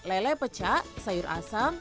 lele pecah sayur asam